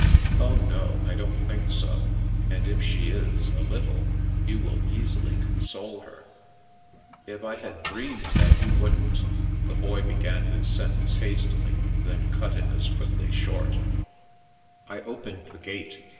" Oh no, I don't think so ; and if she is, a little, you will easily console her." " If I had dreamed that you wouldn't " The Boy began his sentence hastily, then cut it as quickly short 238 The Princess Passes I opened the gate.